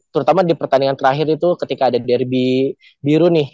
terutama di pertandingan terakhir itu ketika ada derby biru nih